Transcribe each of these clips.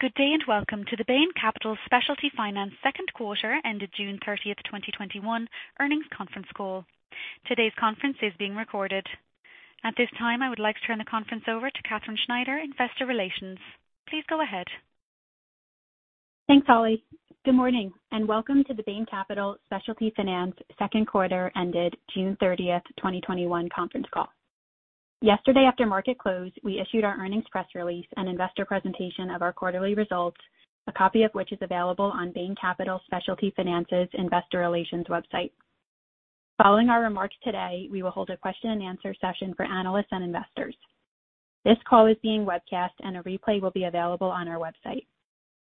Good day, and welcome to the Bain Capital Specialty Finance second quarter ended June 30th, 2021 earnings conference call. Today's conference is being recorded. At this time, I would like to turn the conference over to Katherine Schneider, Investor Relations. Please go ahead. Thanks, Holly. Good morning, and welcome to the Bain Capital Specialty Finance second quarter ended June 30th, 2021 conference call. Yesterday, after market close, we issued our earnings press release and investor presentation of our quarterly results, a copy of which is available on Bain Capital Specialty Finance's investor relations website. Following our remarks today, we will hold a question and answer session for analysts and investors. This call is being webcast, and a replay will be available on our website.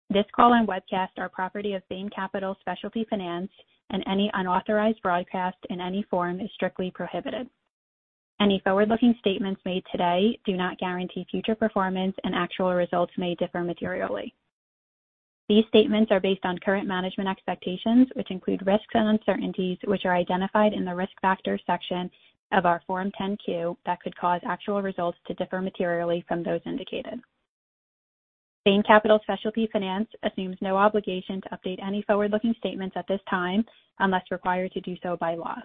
This call and webcast are property of Bain Capital Specialty Finance, and any unauthorized broadcast in any form is strictly prohibited. Any forward-looking statements made today do not guarantee future performance, and actual results may differ materially. These statements are based on current management expectations, which include risks and uncertainties, which are identified in the Risk Factors section of our Form 10-Q that could cause actual results to differ materially from those indicated. Bain Capital Specialty Finance assumes no obligation to update any forward-looking statements at this time unless required to do so by law.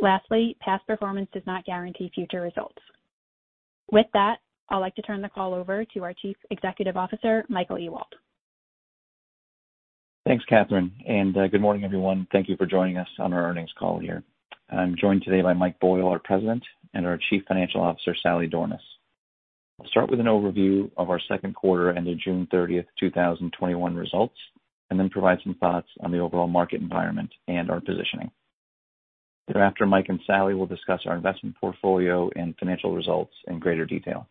Lastly, past performance does not guarantee future results. With that, I'd like to turn the call over to our Chief Executive Officer, Michael A. Ewald. Thanks, Katherine, and good morning, everyone. Thank you for joining us on our earnings call here. I'm joined today by Michael Boyle, our President, and our Chief Financial Officer, Sally Dornaus. I'll start with an overview of our second quarter and the June 30th, 2021 results, and then provide some thoughts on the overall market environment and our positioning. Thereafter, Mike and Sally will discuss our investment portfolio and financial results in greater detail.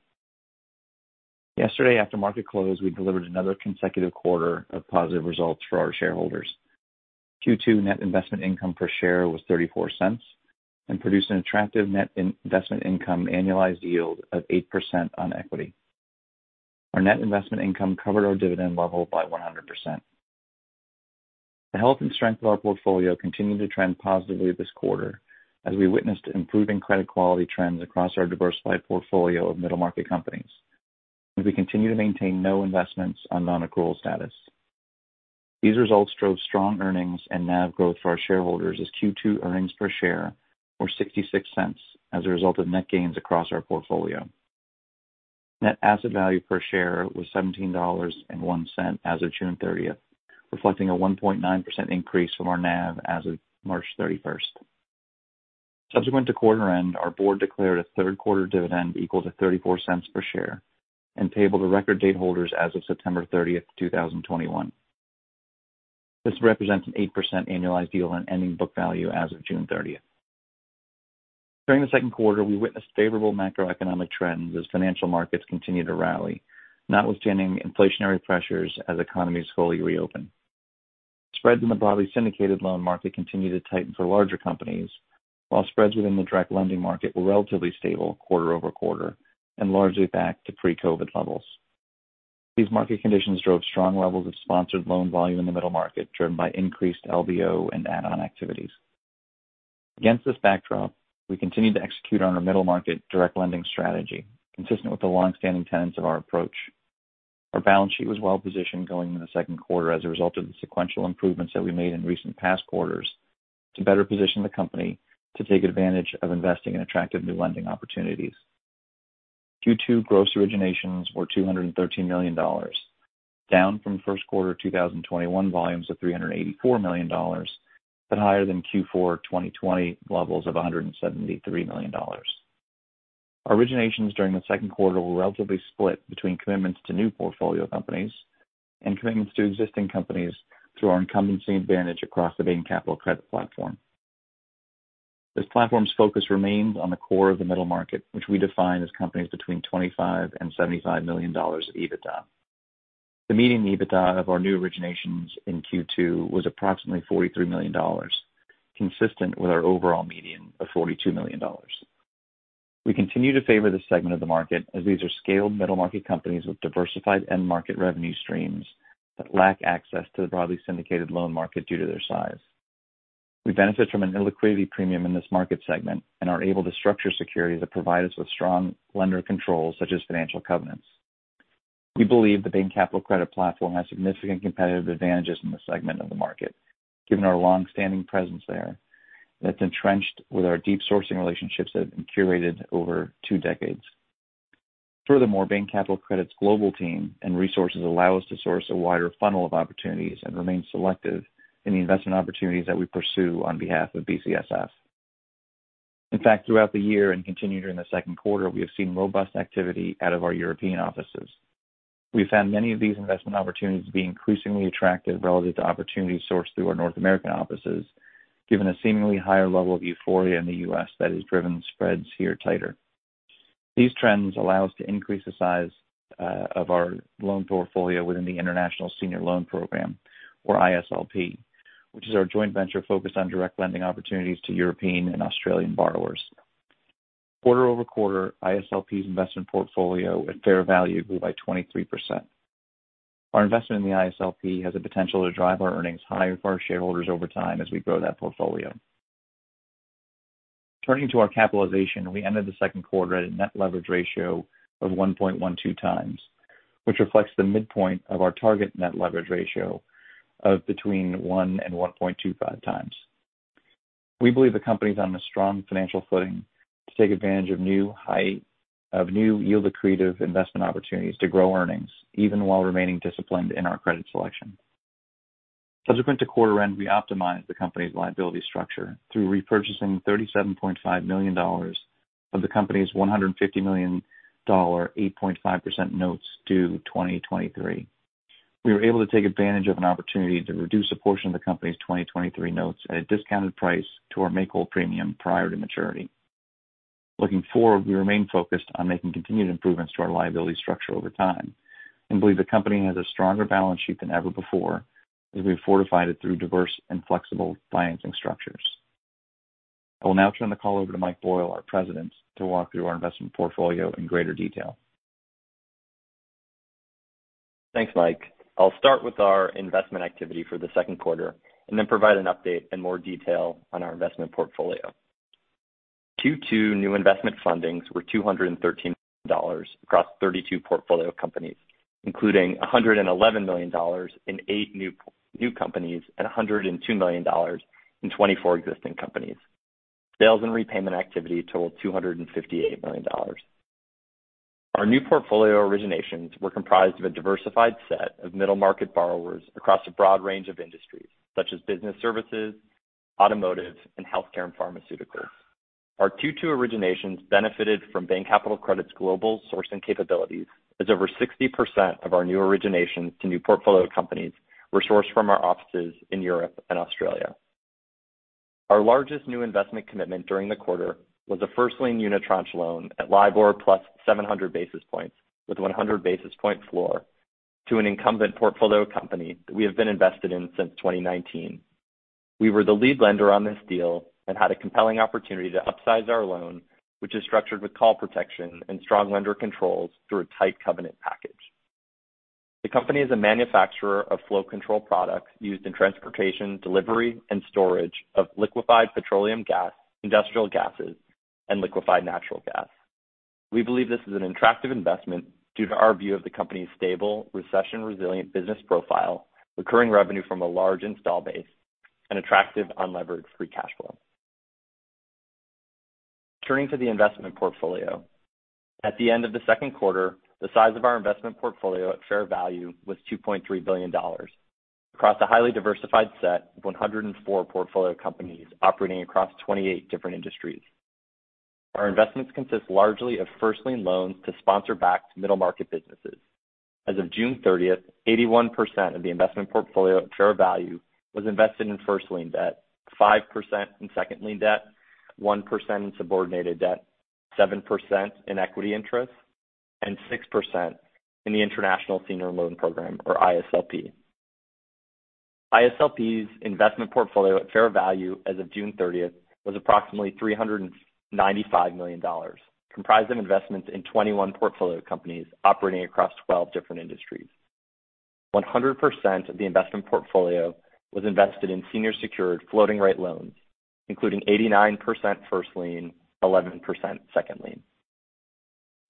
Yesterday, after market close, we delivered another consecutive quarter of positive results for our shareholders. Q2 net investment income per share was $0.34 and produced an attractive net investment income annualized yield of 8% on equity. Our net investment income covered our dividend level by 100%. The health and strength of our portfolio continued to trend positively this quarter as we witnessed improving credit quality trends across our diversified portfolio of middle-market companies. We continue to maintain no investments on non-accrual status. These results drove strong earnings and NAV growth for our shareholders, as Q2 earnings per share were $0.66 as a result of net gains across our portfolio. Net asset value per share was $17.01 as of June 30th, reflecting a 1.9% increase from our NAV as of March 31st. Subsequent to quarter end, our board declared a third quarter dividend equal to $0.34 per share and payable to record date holders as of September 30th, 2021. This represents an 8% annualized yield on ending book value as of June 30th. During the second quarter, we witnessed favorable macroeconomic trends as financial markets continued to rally, notwithstanding inflationary pressures as economies fully reopen. Spreads in the broadly syndicated loan market continued to tighten for larger companies, while spreads within the direct lending market were relatively stable quarter-over-quarter and largely back to pre-COVID levels. These market conditions drove strong levels of sponsored loan volume in the middle market, driven by increased LBO and add-on activities. Against this backdrop, we continued to execute on our middle market direct lending strategy, consistent with the longstanding tenets of our approach. Our balance sheet was well positioned going into the second quarter as a result of the sequential improvements that we made in recent past quarters to better position the company to take advantage of investing in attractive new lending opportunities. Q2 gross originations were $213 million, down from first quarter 2021 volumes of $384 million, but higher than Q4 2020 levels of $173 million. Our originations during the second quarter were relatively split between commitments to new portfolio companies and commitments to existing companies through our incumbency advantage across the Bain Capital Credit platform. This platform's focus remains on the core of the middle market, which we define as companies between $25 and $75 million of EBITDA. The median EBITDA of our new originations in Q2 was approximately $43 million, consistent with our overall median of $42 million. We continue to favor this segment of the market as these are scaled middle-market companies with diversified end-market revenue streams that lack access to the broadly syndicated loan market due to their size. We benefit from an illiquidity premium in this market segment and are able to structure securities that provide us with strong lender controls, such as financial covenants. We believe the Bain Capital Credit platform has significant competitive advantages in this segment of the market, given our long-standing presence there that's entrenched with our deep sourcing relationships that have been curated over two decades. Furthermore, Bain Capital Credit's global team and resources allow us to source a wider funnel of opportunities and remain selective in the investment opportunities that we pursue on behalf of BCSF. In fact, throughout the year and continued during the second quarter, we have seen robust activity out of our European offices. We found many of these investment opportunities to be increasingly attractive relative to opportunities sourced through our North American offices, given a seemingly higher level of euphoria in the U.S. that has driven spreads here tighter. These trends allow us to increase the size of our loan portfolio within the International Senior Loan Program, or ISLP, which is our joint venture focused on direct lending opportunities to European and Australian borrowers. Quarter-over-quarter, ISLP's investment portfolio at fair value grew by 23%. Our investment in the ISLP has the potential to drive our earnings higher for our shareholders over time as we grow that portfolio. Turning to our capitalization, we ended the second quarter at a net leverage ratio of 1.12 times, which reflects the midpoint of our target net leverage ratio of between one and 1.25 times. We believe the company is on a strong financial footing to take advantage of new yield-accretive investment opportunities to grow earnings, even while remaining disciplined in our credit selection. Subsequent to quarter end, we optimized the company's liability structure through repurchasing $37.5 million of the company's $150 million 8.5% notes due 2023. We were able to take advantage of an opportunity to reduce a portion of the company's 2023 notes at a discounted price to our make-whole premium prior to maturity. Looking forward, we remain focused on making continued improvements to our liability structure over time and believe the company has a stronger balance sheet than ever before, as we've fortified it through diverse and flexible financing structures. I will now turn the call over to Michael Boyle, our President, to walk through our investment portfolio in greater detail. Thanks, Mike. I'll start with our investment activity for the second quarter and then provide an update and more detail on our investment portfolio. Q2 new investment fundings were $213 million across 32 portfolio companies, including $111 million in eight new companies and $102 million in 24 existing companies. Sales and repayment activity totaled $258 million. Our new portfolio originations were comprised of a diversified set of middle market borrowers across a broad range of industries, such as business services, automotive, and healthcare and pharmaceutical. Our Q2 originations benefited from Bain Capital Credit's global sourcing capabilities, as over 60% of our new originations to new portfolio companies were sourced from our offices in Europe and Australia. Our largest new investment commitment during the quarter was a first-lien unitranche loan at LIBOR plus 700 basis points with 100 basis point floor to an incumbent portfolio company that we have been invested in since 2019. We were the lead lender on this deal and had a compelling opportunity to upsize our loan, which is structured with call protection and strong lender controls through a tight covenant package. The company is a manufacturer of flow control products used in transportation, delivery, and storage of liquefied petroleum gas, industrial gases, and liquefied natural gas. We believe this is an attractive investment due to our view of the company's stable, recession-resilient business profile, recurring revenue from a large install base, and attractive unlevered free cash flow. Turning to the investment portfolio. At the end of the second quarter, the size of our investment portfolio at fair value was $2.3 billion across a highly diversified set of 104 portfolio companies operating across 28 different industries. Our investments consist largely of first-lien loans to sponsor backed middle market businesses. As of June 30th, 81% of the investment portfolio at fair value was invested in first-lien debt, 5% in second-lien debt, 1% in subordinated debt, 7% in equity interests, and 6% in the International Senior Loan Program, or ISLP. ISLP's investment portfolio at fair value as of June 30th was approximately $395 million, comprised of investments in 21 portfolio companies operating across 12 different industries. 100% of the investment portfolio was invested in senior secured floating rate loans, including 89% first-lien, 11% second-lien.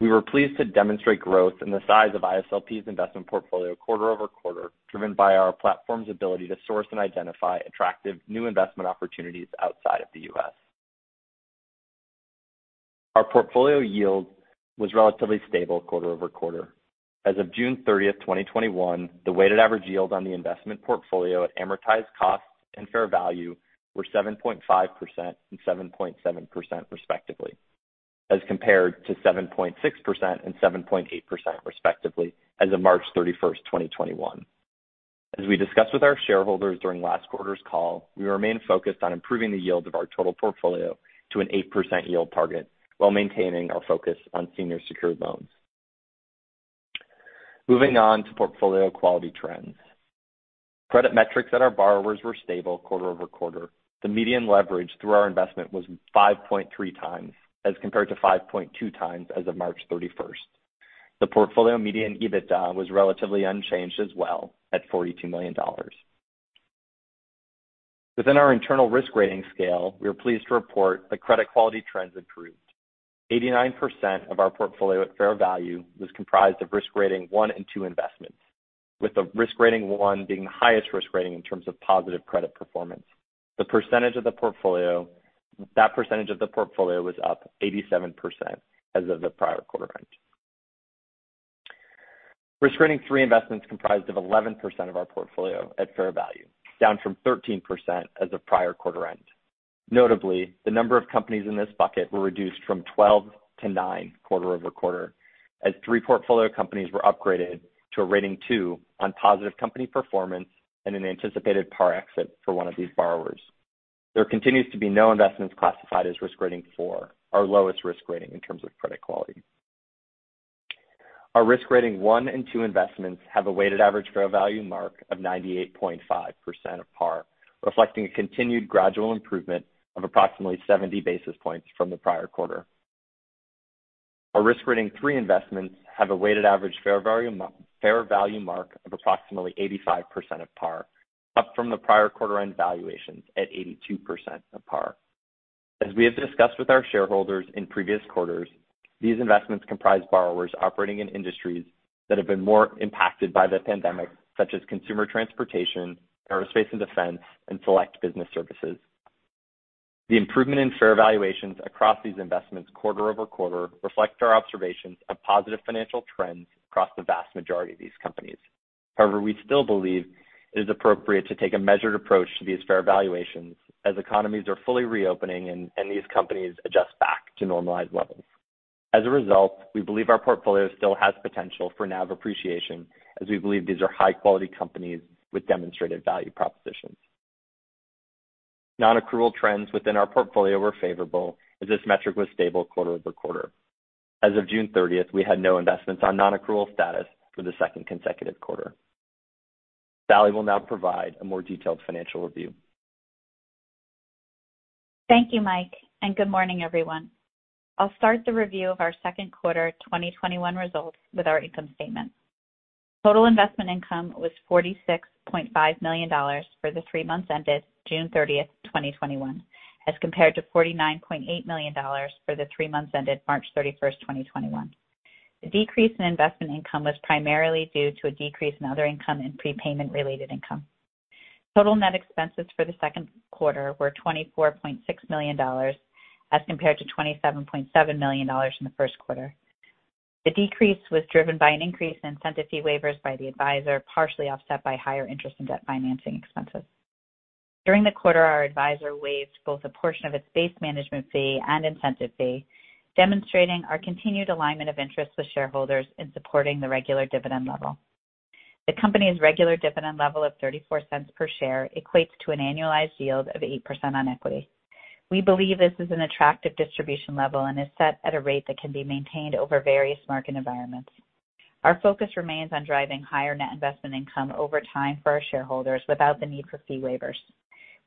We were pleased to demonstrate growth in the size of ISLP's investment portfolio quarter-over-quarter, driven by our platform's ability to source and identify attractive new investment opportunities outside of the U.S. Our portfolio yield was relatively stable quarter-over-quarter. As of June 30th, 2021, the weighted average yield on the investment portfolio at amortized cost and fair value were 7.5% and 7.7%, respectively, as compared to 7.6% and 7.8%, respectively, as of March 31st, 2021. As we discussed with our shareholders during last quarter's call, we remain focused on improving the yield of our total portfolio to an 8% yield target while maintaining our focus on senior secured loans. Moving on to portfolio quality trends. Credit metrics at our borrowers were stable quarter-over-quarter. The median leverage through our investment was 5.3 times as compared to 5.2 times as of March 31st. The portfolio median EBITDA was relatively unchanged as well at $42 million. Within our internal risk rating scale, we are pleased to report that credit quality trends improved. 89% of our portfolio at fair value was comprised of risk rating one and two investments, with the risk rating one being the highest risk rating in terms of positive credit performance. That percentage of the portfolio was up 87% as of the prior quarter-end. Risk rating three investments comprised of 11% of our portfolio at fair value, down from 13% as of prior quarter-end. Notably, the number of companies in this bucket were reduced from 12 to nine quarter-over-quarter as three portfolio companies were upgraded to a rating two on positive company performance and an anticipated par exit for one of these borrowers. There continues to be no investments classified as risk rating four, our lowest risk rating in terms of credit quality. Our risk rating one and two investments have a weighted average fair value mark of 98.5% of par, reflecting a continued gradual improvement of approximately 70 basis points from the prior quarter. Our risk rating three investments have a weighted average fair value mark of approximately 85% of par, up from the prior quarter end valuations at 82% of par. As we have discussed with our shareholders in previous quarters, these investments comprise borrowers operating in industries that have been more impacted by the pandemic, such as consumer transportation, aerospace and defense, and select business services. The improvement in fair valuations across these investments quarter-over-quarter reflect our observations of positive financial trends across the vast majority of these companies. However, we still believe it is appropriate to take a measured approach to these fair valuations as economies are fully reopening and these companies adjust back to normalized levels. As a result, we believe our portfolio still has potential for NAV appreciation as we believe these are high-quality companies with demonstrated value propositions. Non-accrual trends within our portfolio were favorable as this metric was stable quarter-over-quarter. As of June 30th, we had no investments on non-accrual status for the second consecutive quarter. Sally will now provide a more detailed financial review. Thank you, Michael Boyle, and good morning, everyone. I'll start the review of our second quarter 2021 results with our income statement. Total investment income was $46.5 million for the three months ended June 30, 2021, as compared to $49.8 million for the three months ended March 31, 2021. The decrease in investment income was primarily due to a decrease in other income and prepayment-related income. Total net expenses for the second quarter were $24.6 million, as compared to $27.7 million in the first quarter. The decrease was driven by an increase in incentive fee waivers by the advisor, partially offset by higher interest in debt financing expenses. During the quarter, our advisor waived both a portion of its base management fee and incentive fee, demonstrating our continued alignment of interest with shareholders in supporting the regular dividend level. The company's regular dividend level of $0.34 per share equates to an annualized yield of 8% on equity. We believe this is an attractive distribution level and is set at a rate that can be maintained over various market environments. Our focus remains on driving higher net investment income over time for our shareholders without the need for fee waivers.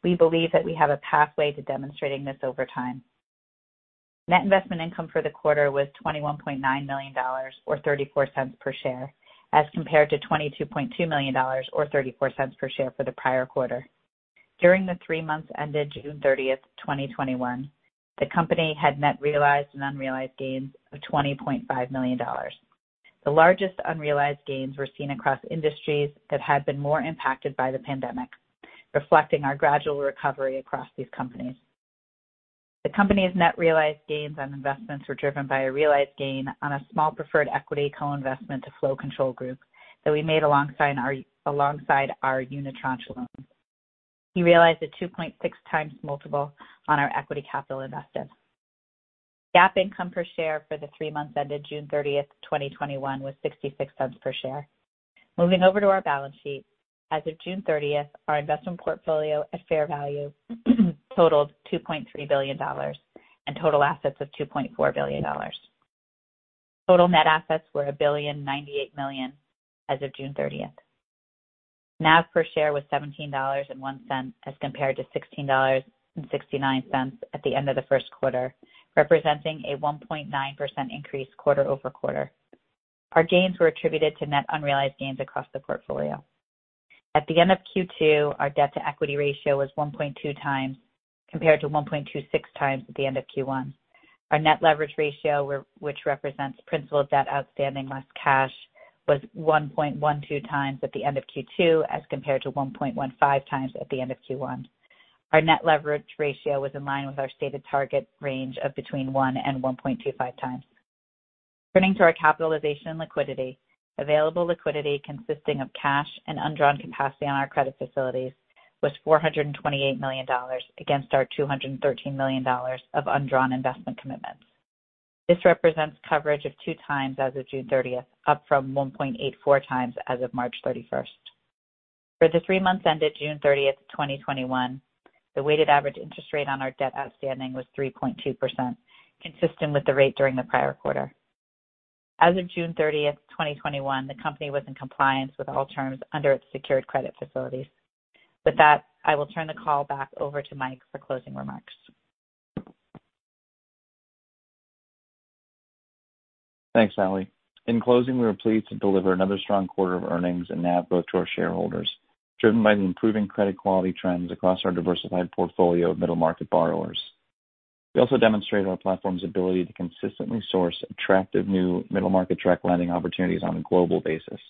We believe that we have a pathway to demonstrating this over time. Net investment income for the quarter was $21.9 million, or $0.34 per share, as compared to $22.2 million or $0.34 per share for the prior quarter. During the three months ended June 30th, 2021, the company had net realized and unrealized gains of $20.5 million. The largest unrealized gains were seen across industries that had been more impacted by the pandemic, reflecting our gradual recovery across these companies. The company's net realized gains on investments were driven by a realized gain on a small preferred equity co-investment to Flow Control Group that we made alongside our unitranche loan. We realized a 2.6x multiple on our equity capital invested. GAAP income per share for the three months ended June 30th, 2021, was $0.66 per share. Moving over to our balance sheet. As of June 30th, our investment portfolio at fair value totaled $2.3 billion and total assets of $2.4 billion. Total net assets were $1.098 billion as of June 30th. NAV per share was $17.01, as compared to $16.69 at the end of the first quarter, representing a 1.9% increase quarter-over-quarter. Our gains were attributed to net unrealized gains across the portfolio. At the end of Q2, our debt-to-equity ratio was 1.2x, compared to 1.26x at the end of Q1. Our net leverage ratio, which represents principal debt outstanding less cash, was 1.12 times at the end of Q2 as compared to 1.15 times at the end of Q1. Our net leverage ratio was in line with our stated target range of between one and 1.25 times. Turning to our capitalization and liquidity. Available liquidity consisting of cash and undrawn capacity on our credit facilities was $428 million against our $213 million of undrawn investment commitments. This represents coverage of two times as of June 30th, up from 1.84 times as of March 31st. For the three months ended June 30th, 2021, the weighted average interest rate on our debt outstanding was 3.2%, consistent with the rate during the prior quarter. As of June 30th, 2021, the company was in compliance with all terms under its secured credit facilities. With that, I will turn the call back over to Mike for closing remarks. Thanks, Sally. In closing, we are pleased to deliver another strong quarter of earnings and NAV growth to our shareholders, driven by the improving credit quality trends across our diversified portfolio of middle market borrowers. We also demonstrated our platform's ability to consistently source attractive new middle market direct lending opportunities on a global basis.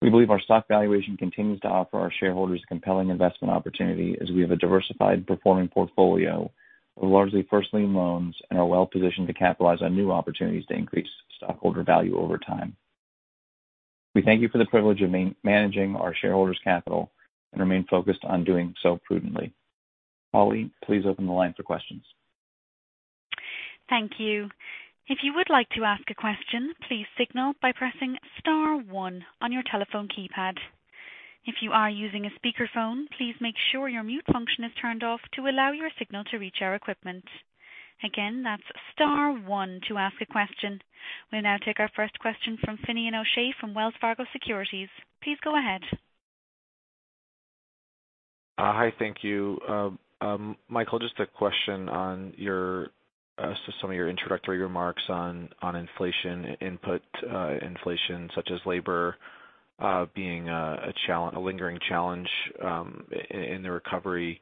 We believe our stock valuation continues to offer our shareholders a compelling investment opportunity as we have a diversified performing portfolio of largely first-lien loans and are well-positioned to capitalize on new opportunities to increase stockholder value over time. We thank you for the privilege of managing our shareholders' capital and remain focused on doing so prudently. Holly, please open the line for questions. Thank you. We'll now take our first question from Finian O'Shea from Wells Fargo Securities. Please go ahead. Hi, thank you. Michael, just a question on some of your introductory remarks on inflation input, inflation such as labor being a lingering challenge in the recovery.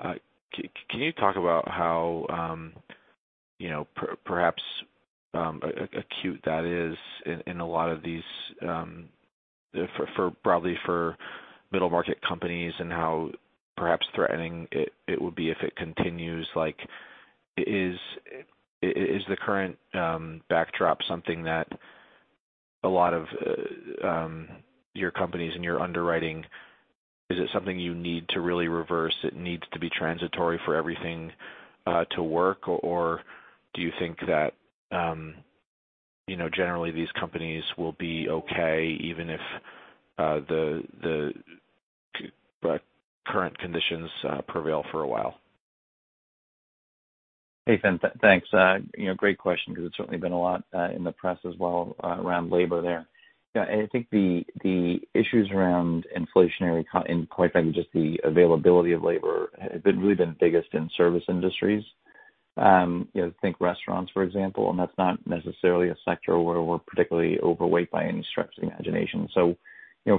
Can you talk about how perhaps acute that is in a lot of these, probably for middle-market companies, and how perhaps threatening it would be if it continues? Is the current backdrop something that a lot of your companies and your underwriting, is it something you need to really reverse, it needs to be transitory for everything to work? Do you think that generally these companies will be okay even if the current conditions prevail for a while? Hey, Finn. Thanks. Great question because it's certainly been a lot in the press as well around labor there. I think the issues around inflationary, and quite frankly, just the availability of labor, have really been biggest in service industries. Think restaurants, for example, and that's not necessarily a sector where we're particularly overweight by any stretch of the imagination.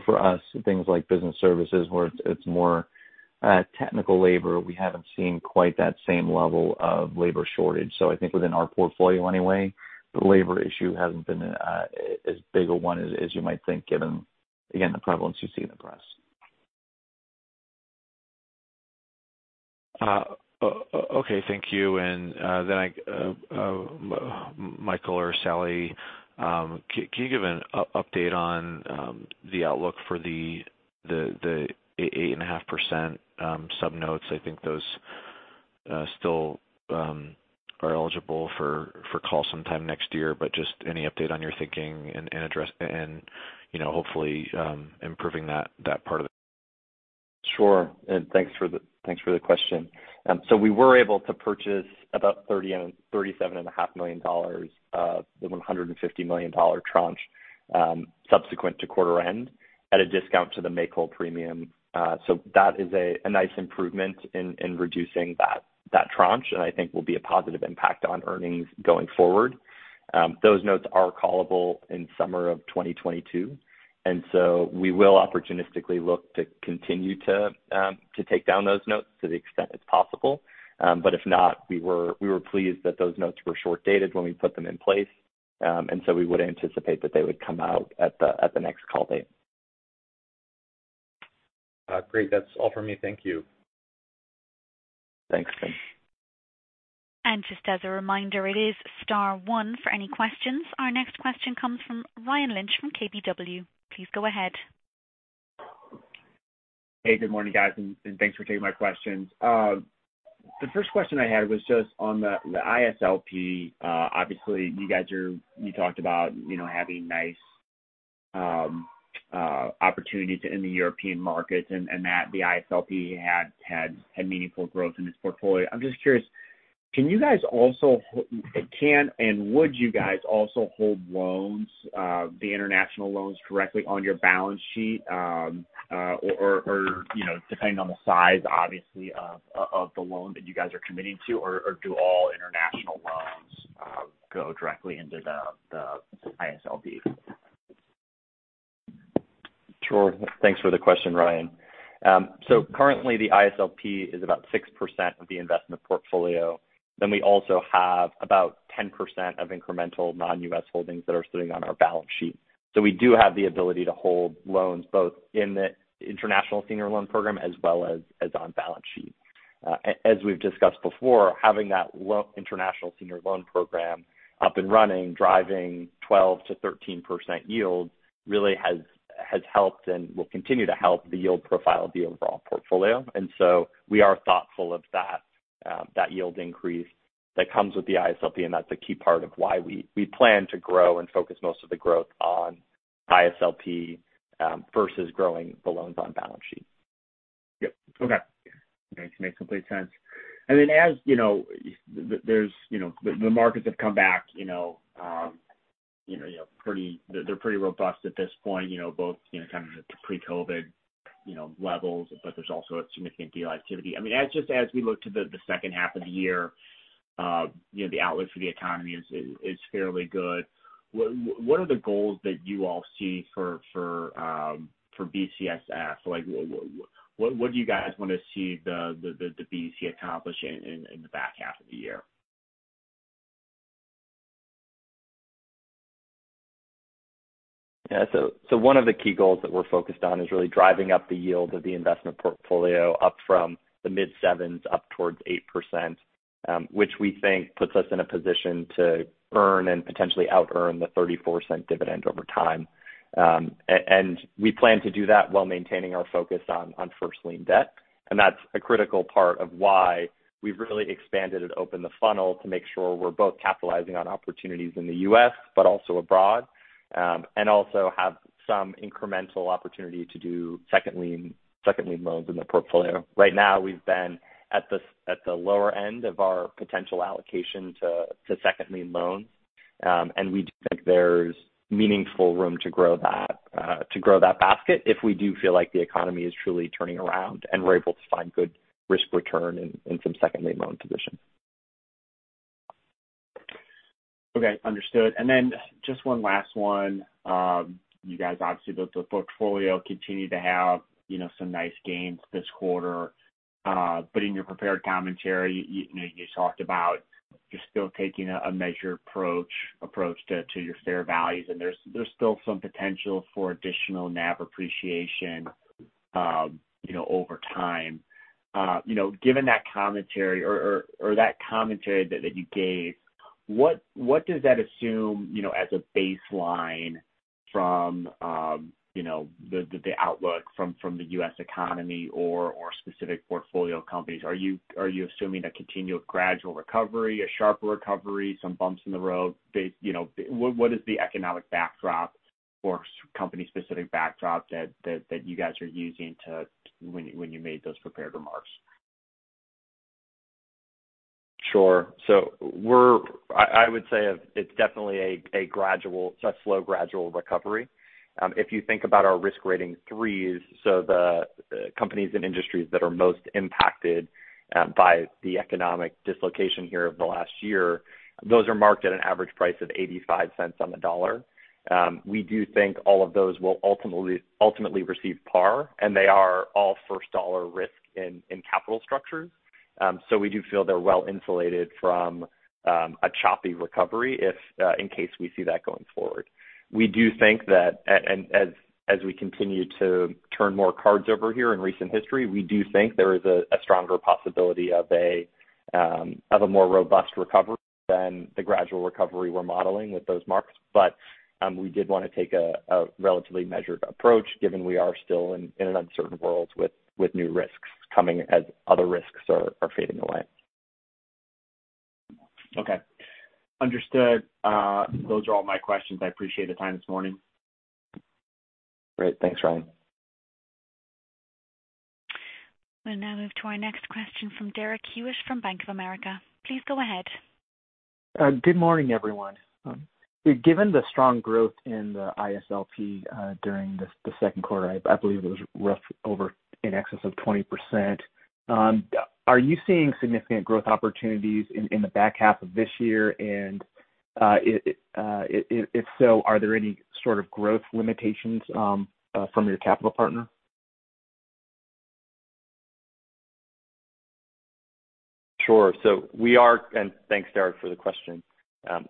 For us, things like business services, where it's more technical labor, we haven't seen quite that same level of labor shortage. I think within our portfolio anyway, the labor issue hasn't been as big a one as you might think given, again, the prevalence you see in the press. Okay, thank you. Michael or Sally, can you give an update on the outlook for the 8.5% sub-notes? I think those still are eligible for call sometime next year, just any update on your thinking and hopefully improving that part of it. Sure, thanks for the question. We were able to purchase about $37.5 million of the $150 million tranche subsequent to quarter end at a discount to the make-whole premium. That is a nice improvement in reducing that tranche, and I think will be a positive impact on earnings going forward. Those notes are callable in summer of 2022, and so we will opportunistically look to continue to take down those notes to the extent it's possible. If not, we were pleased that those notes were short-dated when we put them in place. We would anticipate that they would come out at the next call date. Great. That's all for me. Thank you. Thanks, Finn. Just as a reminder, it is star one for any questions. Our next question comes from Ryan Lynch from KBW. Please go ahead. Hey, good morning, guys, and thanks for taking my questions. The first question I had was just on the ISLP. Obviously you guys talked about having nice opportunities in the European markets and that the ISLP had meaningful growth in its portfolio. I'm just curious, can and would you guys also hold loans, the international loans directly on your balance sheet, or depending on the size, obviously, of the loan that you guys are committing to, or do all international loans go directly into the ISLP? Sure. Thanks for the question, Ryan. Currently, the ISLP is about 6% of the investment portfolio. We also have about 10% of incremental non-U.S. holdings that are sitting on our balance sheet. We do have the ability to hold loans both in the International Senior Loan Program as well as on balance sheet. As we've discussed before, having that International Senior Loan Program up and running, driving 12%-13% yield really has helped and will continue to help the yield profile of the overall portfolio. We are thoughtful of that yield increase that comes with the ISLP, and that's a key part of why we plan to grow and focus most of the growth on ISLP versus growing the loans on balance sheet. Yep. Okay. Makes complete sense. I mean, as the markets have come back, they're pretty robust at this point, both kind of pre-COVID levels, but there's also a significant deal activity. I mean, as we look to the second half of the year, the outlook for the economy is fairly good. What are the goals that you all see for BCSF? What do you guys want to see the BC accomplish in the back half of the year? One of the key goals that we're focused on is really driving up the yield of the investment portfolio up from the mid-7s up towards 8%, which we think puts us in a position to earn and potentially out earn the $0.34 dividend over time. We plan to do that while maintaining our focus on first-lien debt. That's a critical part of why we've really expanded and opened the funnel to make sure we're both capitalizing on opportunities in the U.S. but also abroad. Also have some incremental opportunity to do second-lien loans in the portfolio. Right now we've been at the lower end of our potential allocation to second-lien loans. We think there's meaningful room to grow that basket if we do feel like the economy is truly turning around and we're able to find good risk return in some second-lien loan positions. Okay, understood. Then just one last one. You guys obviously built the portfolio, continued to have some nice gains this quarter. In your prepared commentary, you talked about you're still taking a measured approach to your fair values, and there's still some potential for additional NAV appreciation over time. Given that commentary or that commentary that you gave, what does that assume as a baseline from the outlook from the U.S. economy or specific portfolio companies? Are you assuming a continued gradual recovery, a sharper recovery, some bumps in the road? What is the economic backdrop or company specific backdrop that you guys are using when you made those prepared remarks? Sure. I would say it's definitely a slow gradual recovery. If you think about our risk rating 3s, so the companies and industries that are most impacted by the economic dislocation here over the last year, those are marked at an average price of $0.85 on the dollar. We do think all of those will ultimately receive par, and they are all first dollar risk in capital structures. We do feel they're well-insulated from a choppy recovery if in case we see that going forward. We do think that as we continue to turn more cards over here in recent history, we do think there is a stronger possibility of a more robust recovery than the gradual recovery we're modeling with those marks. We did want to take a relatively measured approach given we are still in an uncertain world with new risks coming as other risks are fading away. Understood. Those are all my questions. I appreciate the time this morning. Great. Thanks, Ryan. We'll now move to our next question from Derek Hewett from Bank of America. Please go ahead. Good morning, everyone. Given the strong growth in the ISLP during the second quarter, I believe it was rough over in excess of 20%. Are you seeing significant growth opportunities in the back half of this year? If so, are there any sort of growth limitations from your capital partner? Sure. Thanks, Derek, for the question.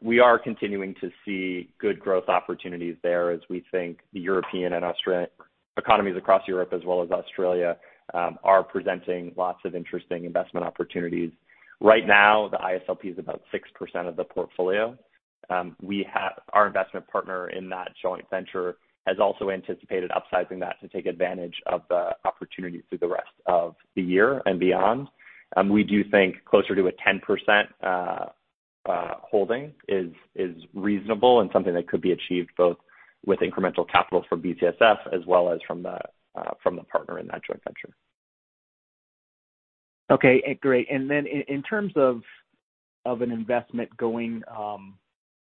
We are continuing to see good growth opportunities there as we think the European and Australian economies across Europe as well as Australia are presenting lots of interesting investment opportunities. Right now, the ISLP is about 6% of the portfolio. Our investment partner in that joint venture has also anticipated upsizing that to take advantage of the opportunity through the rest of the year and beyond. We do think closer to a 10% holding is reasonable and something that could be achieved both with incremental capital from BCSF as well as from the partner in that joint venture. Okay. Great. Then in terms of an investment going,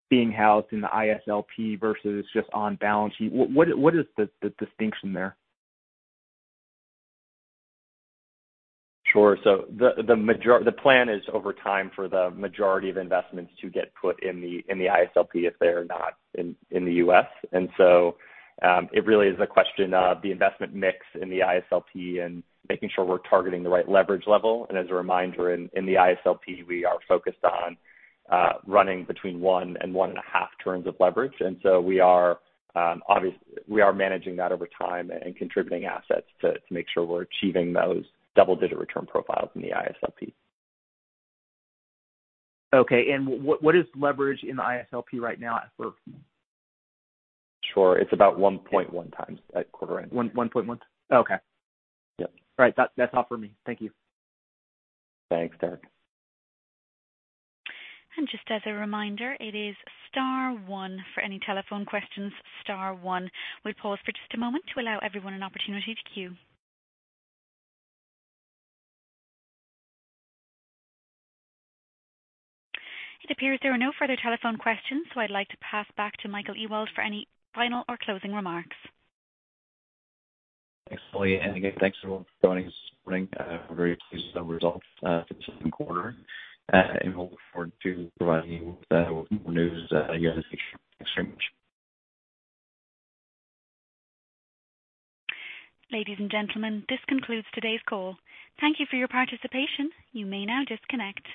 being housed in the ISLP versus just on balance sheet, what is the distinction there? Sure. The plan is over time for the majority of investments to get put in the ISLP if they are not in the U.S. It really is a question of the investment mix in the ISLP and making sure we're targeting the right leverage level. As a reminder, in the ISLP, we are focused on running between one and 1.5 turns of leverage. We are managing that over time and contributing assets to make sure we're achieving those double-digit return profiles in the ISLP. Okay. What is leverage in the ISLP right now at first? Sure. It's about 1.1x at quarter end. 1.1? Okay. Yep. All right. That's all for me. Thank you. Thanks, Derek. Just as a reminder, it is star one for any telephone questions, star one. We'll pause for just a moment to allow everyone an opportunity to queue. It appears there are no further telephone questions, I'd like to pass back to Michael A.Ewald for any final or closing remarks. Thanks, Holly, and again, thanks, everyone, for joining us this morning. We're very pleased with our results for the second quarter, and we look forward to providing you with more news as the year takes shape. Thanks very much. Ladies and gentlemen, this concludes today's call. Thank you for your participation. You may now disconnect.